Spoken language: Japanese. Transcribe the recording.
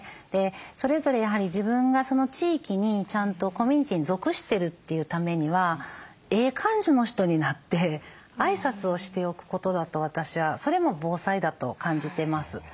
それぞれやはり自分がその地域にちゃんとコミュニティーに属してるというためにはええ感じの人になって挨拶をしておくことだと私はそれも防災だと感じてます。